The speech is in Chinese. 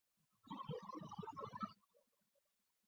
矮生多裂委陵菜为蔷薇科委陵菜属下的一个变种。